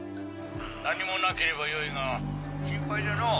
何もなければよいが心配じゃのぉ。